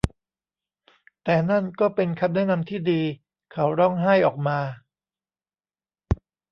แต่นั่นก็เป็นคำแนะนำที่ดี เขาร้องไห้ออกมา